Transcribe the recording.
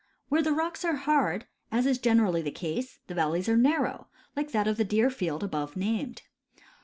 Where the rocks are hard, as is generally the case, the valleys are narrow, like that of the Deerfield above named.